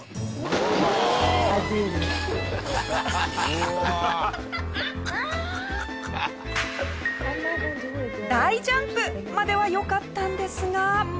大ジャンプまではよかったんですが。